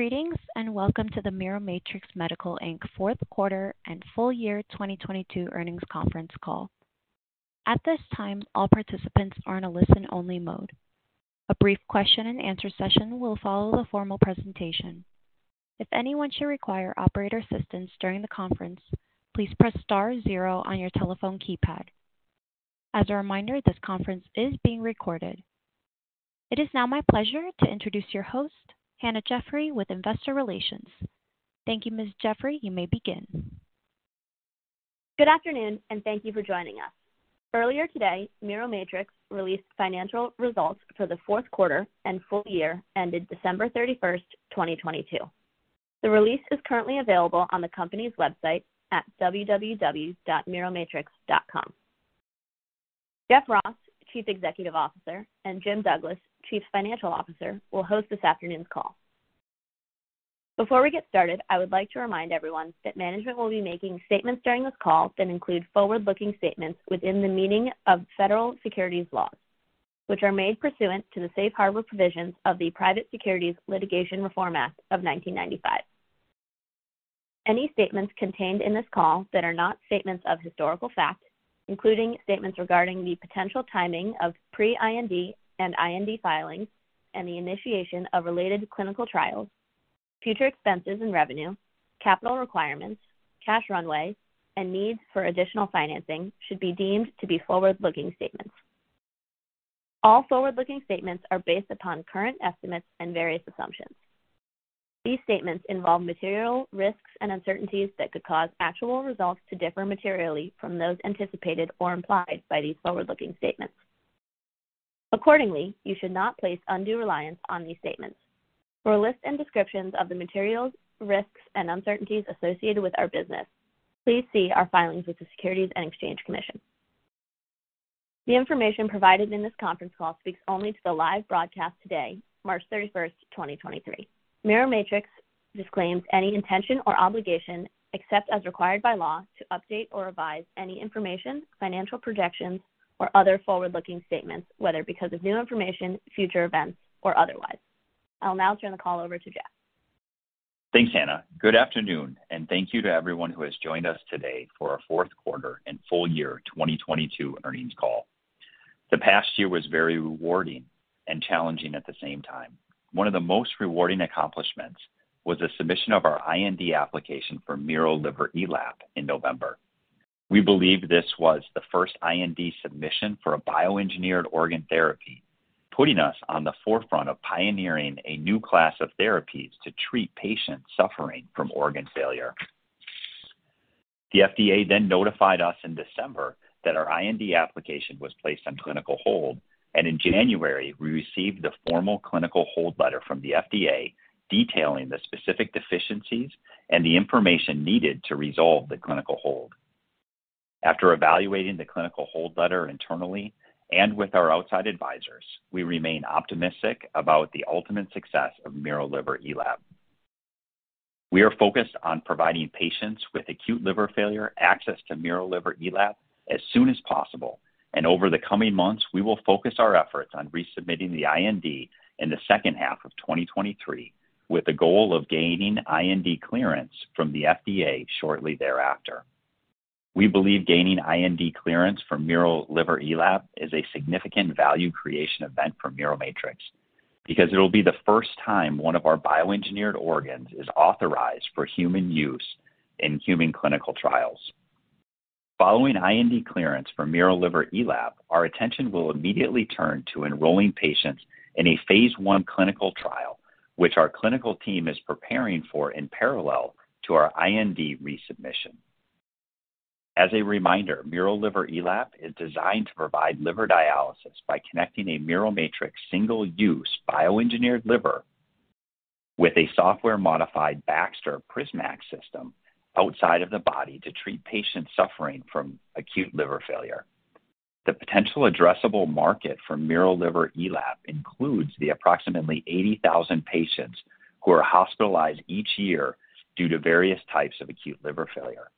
Greetings, welcome to the Miromatrix Medical Inc. fourth quarter and full year 2022 earnings conference call. At this time, all participants are in a listen only mode. A brief question and answer session will follow the formal presentation. If anyone should require operator assistance during the conference, please press star zero on your telephone keypad. As a reminder, this conference is being recorded. It is now my pleasure to introduce your host, Hannah Jeffrey with Investor Relations. Thank you, Ms. Jeffrey. You may begin. Good afternoon, and thank you for joining us. Earlier today, Miromatrix released financial results for the fourth quarter and full year ended December 31, 2022. The release is currently available on the company's website at www.miromatrix.com. Jeff Ross, Chief Executive Officer, and Jim Douglas, Chief Financial Officer, will host this afternoon's call. Before we get started, I would like to remind everyone that management will be making statements during this call that include forward-looking statements within the meaning of federal securities laws, which are made pursuant to the safe harbor provisions of the Private Securities Litigation Reform Act of 1995. Any statements contained in this call that are not statements of historical fact, including statements regarding the potential timing of pre-IND and IND filings and the initiation of related clinical trials, future expenses and revenue, capital requirements, cash runway, and needs for additional financing, should be deemed to be forward-looking statements. All forward-looking statements are based upon current estimates and various assumptions. These statements involve material risks and uncertainties that could cause actual results to differ materially from those anticipated or implied by these forward-looking statements. Accordingly, you should not place undue reliance on these statements. For a list and descriptions of the material risks and uncertainties associated with our business, please see our filings with the Securities and Exchange Commission. The information provided in this conference call speaks only to the live broadcast today, March 31st, 2023. Miromatrix disclaims any intention or obligation, except as required by law, to update or revise any information, financial projections or other forward-looking statements, whether because of new information, future events or otherwise. I'll now turn the call over to Jeff. Thanks, Hannah. Good afternoon, and thank you to everyone who has joined us today for our fourth quarter and full year 2022 earnings call. The past year was very rewarding and challenging at the same time. One of the most rewarding accomplishments was the submission of our IND application for miroliverELAP in November. The FDA then notified us in December that our IND application was placed on clinical hold, and in January, we received the formal clinical hold letter from the FDA detailing the specific deficiencies and the information needed to resolve the clinical hold. After evaluating the clinical hold letter internally and with our outside advisors, we remain optimistic about the ultimate success of miroliverELAP. We are focused on providing patients with acute liver failure access to miroliverELAP as soon as possible. Over the coming months, we will focus our efforts on resubmitting the IND in the second half of 2023, with the goal of gaining IND clearance from the FDA shortly thereafter. We believe gaining IND clearance for miroliverELAP is a significant value creation event for Miromatrix because it'll be the first time one of our bioengineered organs is authorized for human use in human clinical trials. Following IND clearance for miroliverELAP, our attention will immediately turn to enrolling patients in a phase I clinical trial, which our clinical team is preparing for in parallel to our IND resubmission. As a reminder, miroliverELAP is designed to provide liver dialysis by connecting a Miromatrix single-use bioengineered liver with a software-modified Baxter PrisMax system outside of the body to treat patients suffering from acute liver failure. The potential addressable market for miroliverELAP includes the approximately 80,000 patients who are hospitalized each year due to various types of acute liver failure.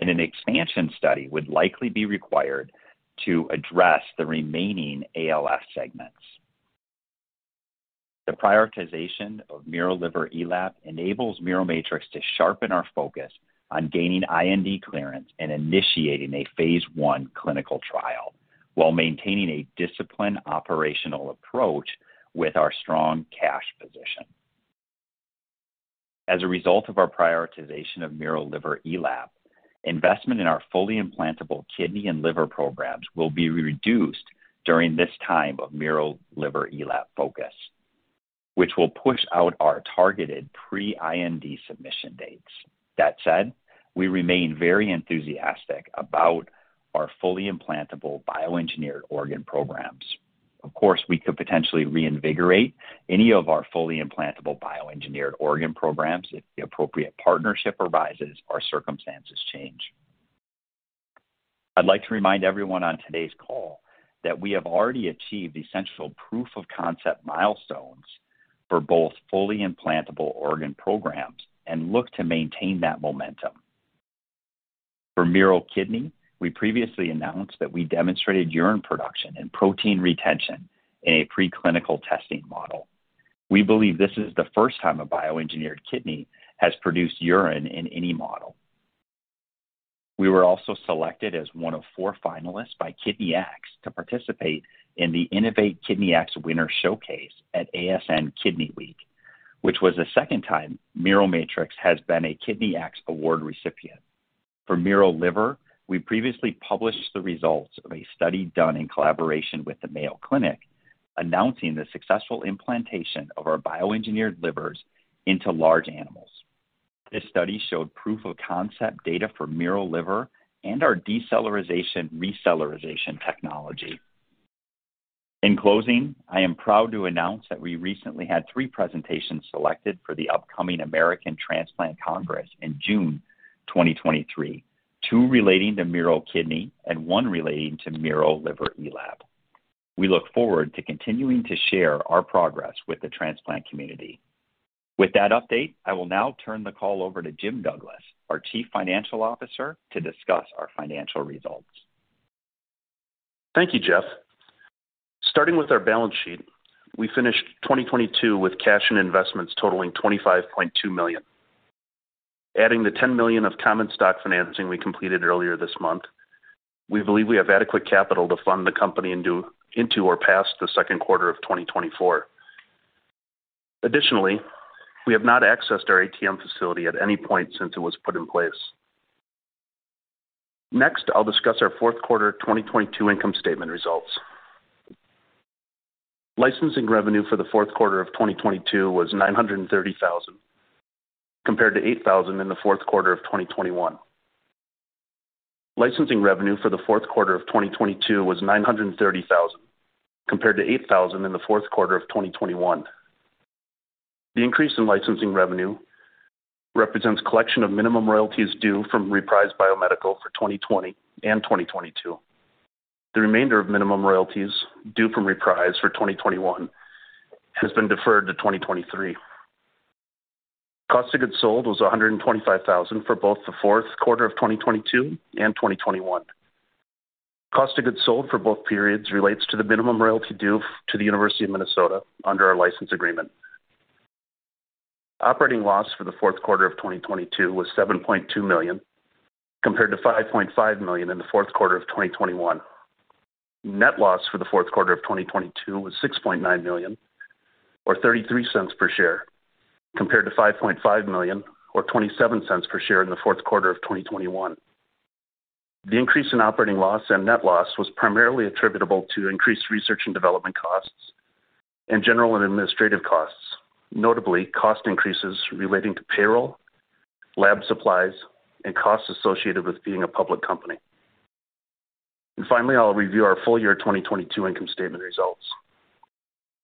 An expansion study would likely be required to address the remaining ALF segments. The prioritization of miroliverELAP enables Miromatrix to sharpen our focus on gaining IND clearance and initiating a phase I clinical trial while maintaining a disciplined operational approach with our strong cash position. As a result of our prioritization of miroliverELAP, investment in our fully implantable kidney and liver programs will be reduced during this time of miroliverELAP focus, which will push out our targeted pre-IND submission dates. That said, we remain very enthusiastic about our fully implantable bioengineered organ programs. Of course, we could potentially reinvigorate any of our fully implantable bioengineered organ programs if the appropriate partnership arises or circumstances change. I'd like to remind everyone on today's call that we have already achieved essential proof of concept milestones for both fully implantable organ programs and look to maintain that momentum. For mirokidney, we previously announced that we demonstrated urine production and protein retention in a preclinical testing model. We believe this is the first time a bioengineered kidney has produced urine in any model. We were also selected as one of four finalists by KidneyX to participate in the Innovate KidneyX Winner Showcase at ASN Kidney Week, which was the second time Miromatrix has been a KidneyX Award recipient. For miroliver, we previously published the results of a study done in collaboration with the Mayo Clinic, announcing the successful implantation of our bioengineered livers into large animals. This study showed proof of concept data for miroliver and our decellularization-recellularization technology. In closing, I am proud to announce that we recently had three presentations selected for the upcoming American Transplant Congress in June 2023, two relating to mirokidney and one relating to miroliverELAP. We look forward to continuing to share our progress with the transplant community. With that update, I will now turn the call over to Jim Douglas, our Chief Financial Officer, to discuss our financial results. Thank you, Jeff. Starting with our balance sheet, we finished 2022 with cash and investments totaling $25.2 million. Adding the $10 million of common stock financing we completed earlier this month, we believe we have adequate capital to fund the company into or past the second quarter of 2024. Additionally, we have not accessed our ATM facility at any point since it was put in place. I'll discuss our fourth quarter 2022 income statement results. Licensing revenue for the fourth quarter of 2022 was $930,000, compared to $8,000 in the fourth quarter of 2021. Licensing revenue for the fourth quarter of 2022 was $930,000, compared to $8,000 in the fourth quarter of 2021. The increase in licensing revenue represents collection of minimum royalties due from Reprise Biomedical for 2020 and 2022. The remainder of minimum royalties due from Reprise for 2021 has been deferred to 2023. Cost of goods sold was $125,000 for both the fourth quarter of 2022 and 2021. Cost of goods sold for both periods relates to the minimum royalty due to the University of Minnesota under our license agreement. Operating loss for the fourth quarter of 2022 was $7.2 million, compared to $5.5 million in the fourth quarter of 2021. Net loss for the fourth quarter of 2022 was $6.9 million, or $0.33 per share, compared to $5.5 million or $0.27 per share in the fourth quarter of 2021. The increase in operating loss and net loss was primarily attributable to increased research and development costs and general and administrative costs, notably cost increases relating to payroll, lab supplies, and costs associated with being a public company. Finally, I'll review our full year 2022 income statement results.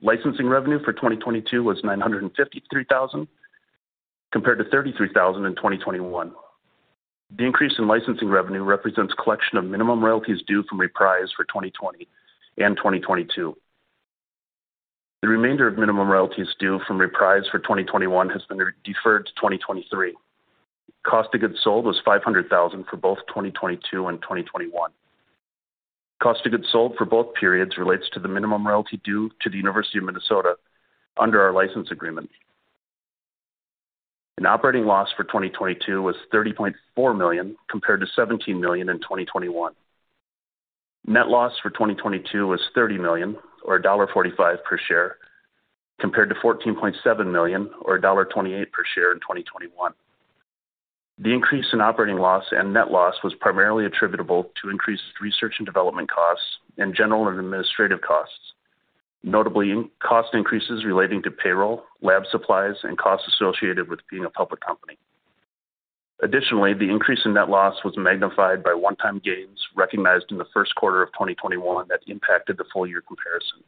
Licensing revenue for 2022 was $953,000, compared to $33,000 in 2021. The increase in licensing revenue represents collection of minimum royalties due from Reprise for 2020 and 2022. The remainder of minimum royalties due from Reprise for 2021 has been re-deferred to 2023. Cost of goods sold was $500,000 for both 2022 and 2021. Cost of goods sold for both periods relates to the minimum royalty due to the University of Minnesota under our license agreement. Operating loss for 2022 was $30.4 million compared to $17 million in 2021. Net loss for 2022 was $30 million or $1.45 per share, compared to $14.7 million or $1.28 per share in 2021. The increase in operating loss and net loss was primarily attributable to increased research and development costs and general and administrative costs, notably in cost increases relating to payroll, lab supplies, and costs associated with being a public company. Additionally, the increase in net loss was magnified by one-time gains recognized in the first quarter of 2021 that impacted the full year comparison.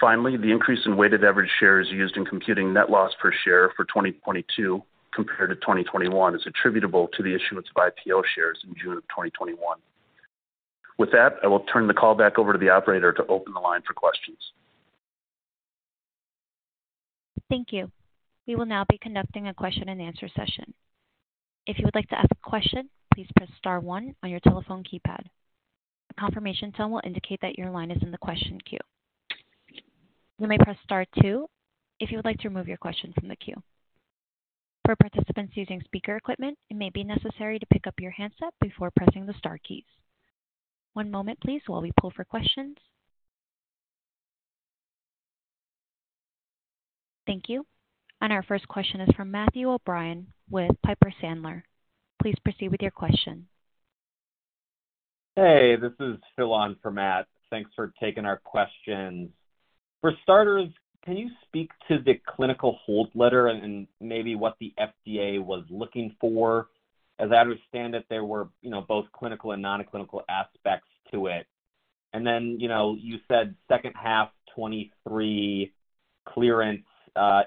Finally, the increase in weighted average shares used in computing net loss per share for 2022 compared to 2021 is attributable to the issuance of IPO shares in June 2021. With that, I will turn the call back over to the operator to open the line for questions. Thank you. We will now be conducting a question and answer session. If you would like to ask a question, please press star one on your telephone keypad. A confirmation tone will indicate that your line is in the question queue. You may press star two if you would like to remove your question from the queue. For participants using speaker equipment, it may be necessary to pick up your handset before pressing the star keys. One moment please while we pull for questions. Thank you. Our first question is from Matthew O'Brien with Piper Sandler. Please proceed with your question. Hey, this is Phil on for Matt. Thanks for taking our questions. For starters, can you speak to the clinical hold letter and maybe what the FDA was looking for? As I understand it, there were, you know, both clinical and non-clinical aspects to it. Then, you know, you said second half 2023 clearance.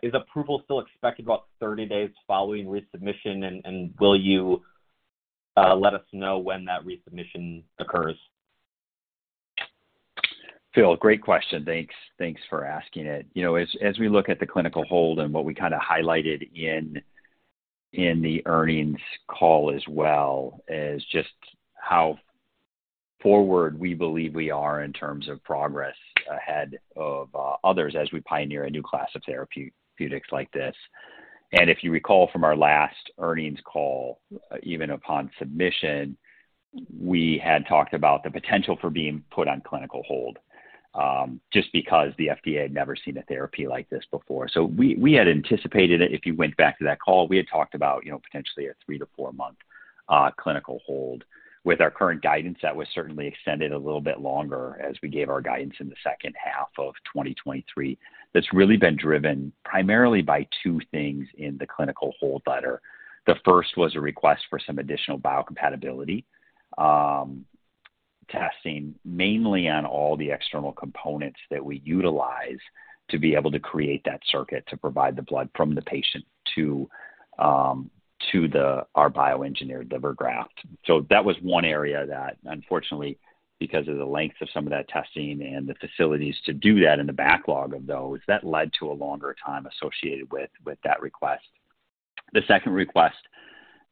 Is approval still expected about 30 days following resubmission? Will you let us know when that resubmission occurs. Phil, great question. Thanks for asking it. You know, as we look at the clinical hold and what we kind of highlighted in the earnings call as well, is just how forward we believe we are in terms of progress ahead of others as we pioneer a new class of therapeutics like this. If you recall from our last earnings call, even upon submission, we had talked about the potential for being put on clinical hold, just because the FDA had never seen a therapy like this before. We had anticipated it. If you went back to that call, we had talked about, you know, potentially a three to four-month clinical hold. With our current guidance, that was certainly extended a little bit longer as we gave our guidance in the second half of 2023. That's really been driven primarily by two things in the clinical hold letter. The first was a request for some additional biocompatibility testing, mainly on all the external components that we utilize to be able to create that circuit to provide the blood from the patient to our bioengineered liver graft. That was one area that unfortunately, because of the length of some of that testing and the facilities to do that and the backlog of those, that led to a longer time associated with that request. The second request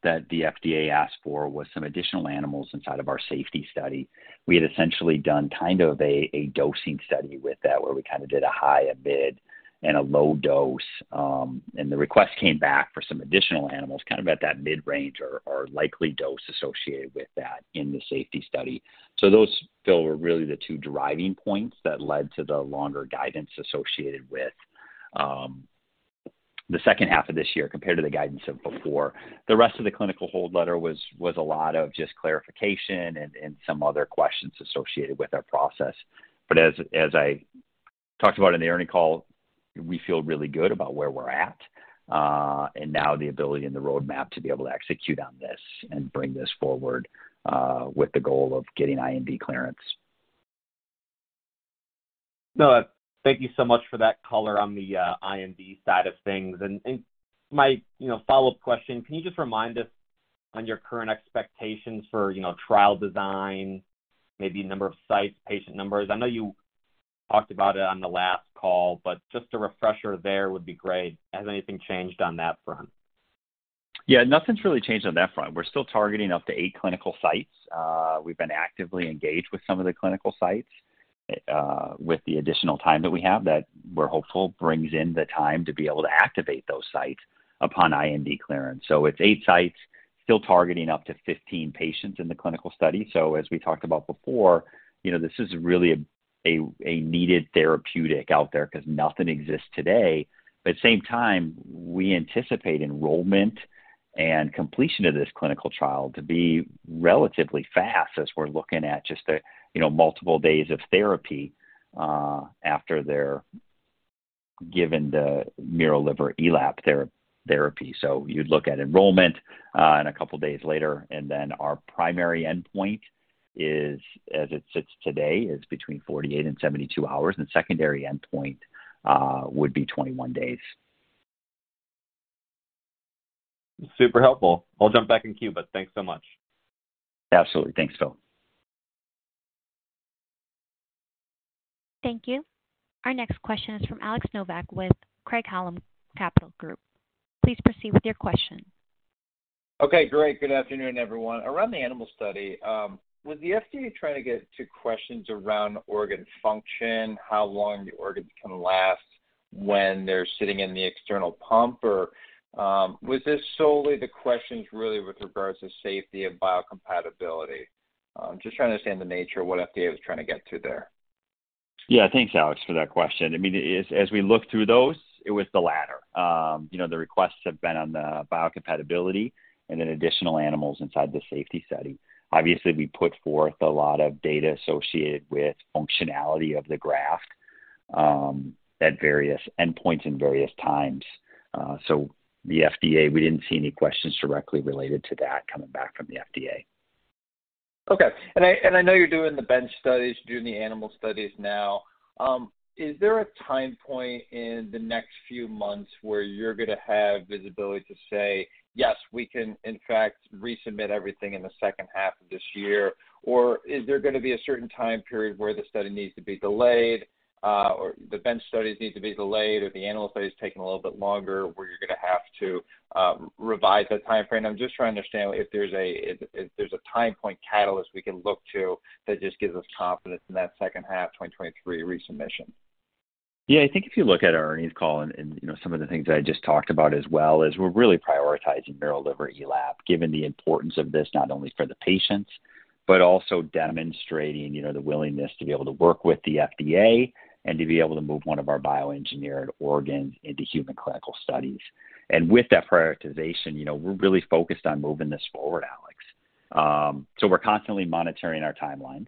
that the FDA asked for was some additional animals inside of our safety study. We had essentially done kind of a dosing study with that, where we kind of did a high, a mid, and a low dose. The request came back for some additional animals, kind of at that mid-range or likely dose associated with that in the safety study. Those, Phil, were really the two driving points that led to the longer guidance associated with the second half of this year compared to the guidance of before. The rest of the clinical hold letter was a lot of just clarification and some other questions associated with our process. As I talked about in the earning call, we feel really good about where we're at, and now the ability and the roadmap to be able to execute on this and bring this forward with the goal of getting IND clearance. No, thank you so much for that color on the IND side of things. My, you know, follow-up question, can you just remind us on your current expectations for, you know, trial design, maybe number of sites, patient numbers? I know you talked about it on the last call, but just a refresher there would be great. Has anything changed on that front? Yeah, nothing's really changed on that front. We're still targeting up to eight clinical sites. We've been actively engaged with some of the clinical sites, with the additional time that we have that we're hopeful brings in the time to be able to activate those sites upon IND clearance. It's eight sites still targeting up to 15 patients in the clinical study. As we talked about before, you know, this is really a needed therapeutic out there because nothing exists today. At the same time, we anticipate enrollment and completion of this clinical trial to be relatively fast as we're looking at just a, you know, multiple days of therapy, after they're given the miroliverELAP therapy. You'd look at enrollment, a couple of days later, then our primary endpoint is, as it sits today, is between 48 and 72 hours, secondary endpoint would be 21 days. Super helpful. I'll jump back in queue, but thanks so much. Absolutely. Thanks, Phil. Thank you. Our next question is from Alex Nowak with Craig-Hallum Capital Group. Please proceed with your question. Okay, great. Good afternoon, everyone. Around the animal study, was the FDA trying to get to questions around organ function, how long the organs can last when they're sitting in the external pump? Was this solely the questions really with regards to safety and biocompatibility? Just trying to understand the nature of what FDA was trying to get to there. Yeah. Thanks, Alex, for that question. I mean, as we look through those, it was the latter. You know, the requests have been on the biocompatibility and then additional animals inside the safety study. Obviously, we put forth a lot of data associated with functionality of the graft at various endpoints and various times. The FDA, we didn't see any questions directly related to that coming back from the FDA. Okay. I, and I know you're doing the bench studies, doing the animal studies now. Is there a time point in the next few months where you're going to have visibility to say, "Yes, we can, in fact, resubmit everything in the second half of this year"? Is there going to be a certain time period where the study needs to be delayed, or the bench studies need to be delayed or the animal study is taking a little bit longer, where you're going to have to revise that timeframe? I'm just trying to understand if there's a time point catalyst we can look to that just gives us confidence in that second half 2023 resubmission. Yeah. I think if you look at our earnings call and, you know, some of the things that I just talked about as well, is we're really prioritizing miroliverELAP, given the importance of this not only for the patients, but also demonstrating, you know, the willingness to be able to work with the FDA and to be able to move one of our bioengineered organs into human clinical studies. With that prioritization, you know, we're really focused on moving this forward, Alex. So we're constantly monitoring our timelines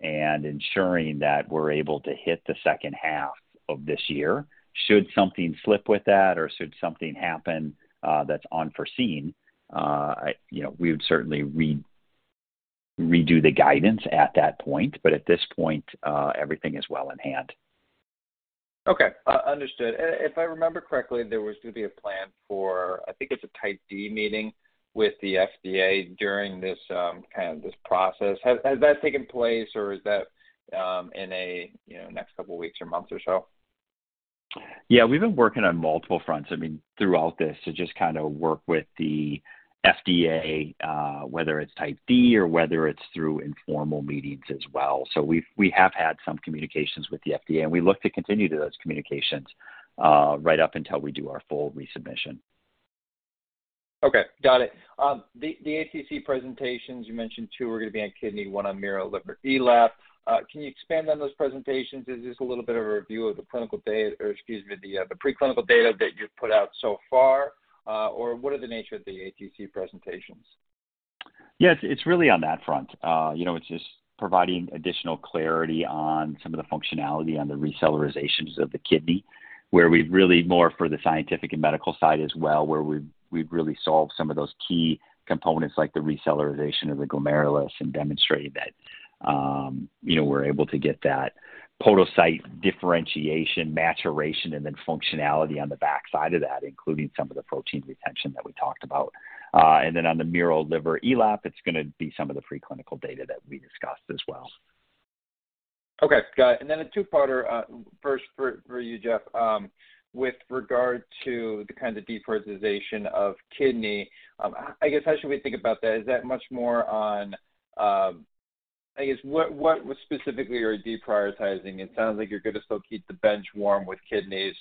and ensuring that we're able to hit the second half of this year. Should something slip with that or should something happen that's unforeseen, you know, we would certainly re-redo the guidance at that point. At this point, everything is well in hand. Okay. Understood. If I remember correctly, there was going to be a plan for, I think it's a Type D meeting with the FDA during this, kind of, this process. Has that taken place or is that, in a, you know, next couple weeks or months or so? We've been working on multiple fronts, I mean, throughout this to just kind of work with the FDA, whether it's Type D or whether it's through informal meetings as well. We have had some communications with the FDA, we look to continue those communications right up until we do our full resubmission. Okay. Got it. The ATC presentations, you mentioned two were gonna be on kidney, one on miroliverELAP. Can you expand on those presentations? Is this a little bit of a review of the clinical data or excuse me, the preclinical data that you've put out so far? What are the nature of the ATC presentations? Yes, it's really on that front. you know, it's just providing additional clarity on some of the functionality on the recellularization of the kidney, where we've really more for the scientific and medical side as well, where we've really solved some of those key components like the recellularization of the glomerulus and demonstrated that, you know, we're able to get that podocyte differentiation, maturation, and then functionality on the backside of that, including some of the protein retention that we talked about. On the miroliverELAP, it's gonna be some of the pre-clinical data that we discussed as well. Okay. Got it. A two-parter, first for you, Jeff. With regard to the kind of deprioritization of kidney, I guess how should we think about that? Is that much more on... I guess what specifically are you deprioritizing? It sounds like you're gonna still keep the bench warm with kidneys,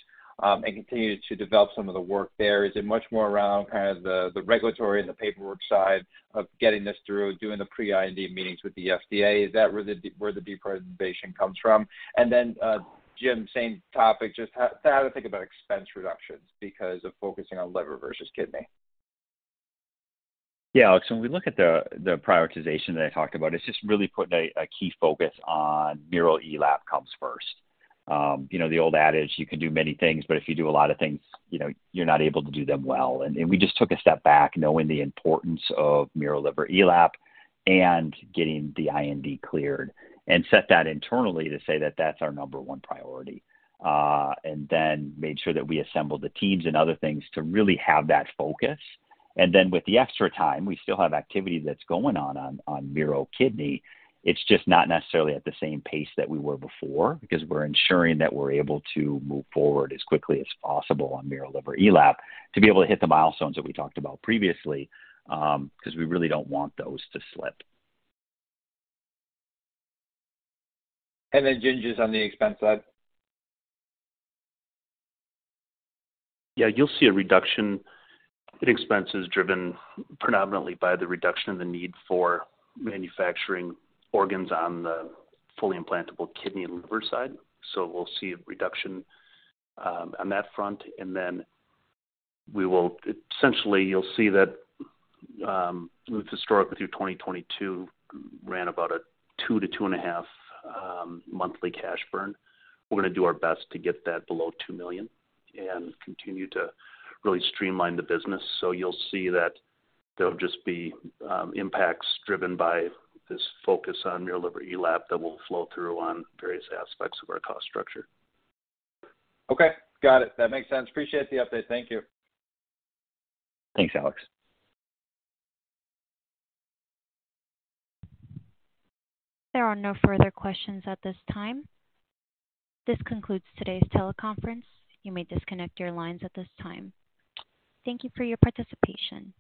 and continue to develop some of the work there. Is it much more around kind of the regulatory and the paperwork side of getting this through, doing the pre-IND meetings with the FDA? Is that where the deprioritization comes from? Jim, same topic, just how to think about expense reductions because of focusing on liver versus kidney. Yeah, Alex. When we look at the prioritization that I talked about, it's just really putting a key focus on miroliverELAP comes first. You know the old adage, you can do many things, but if you do a lot of things, you know, you're not able to do them well. We just took a step back knowing the importance of miroliverELAP and getting the IND cleared and set that internally to say that that's our number one priority. Made sure that we assembled the teams and other things to really have that focus. With the extra time, we still have activity that's going on on mirokidney. It's just not necessarily at the same pace that we were before because we're ensuring that we're able to move forward as quickly as possible on miroliverELAP to be able to hit the milestones that we talked about previously, because we really don't want those to slip. Jim, just on the expense side. Yeah, you'll see a reduction in expenses driven predominantly by the reduction in the need for manufacturing organs on the fully implantable kidney and liver side. We'll see a reduction on that front. Essentially, you'll see that historically through 2022 ran about a $2 million-$2.5 million monthly cash burn. We're gonna do our best to get that below $2 million and continue to really streamline the business. You'll see that there'll just be impacts driven by this focus on miroliverELAP that will flow through on various aspects of our cost structure. Okay. Got it. That makes sense. Appreciate the update. Thank you. Thanks, Alex. There are no further questions at this time. This concludes today's teleconference. You may disconnect your lines at this time. Thank you for your participation.